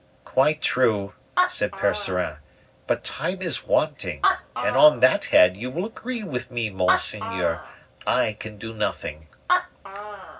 "Quite true," said Percerin, "but time is wanting, and on that head, you will agree with me, monseigneur, I can do nothing."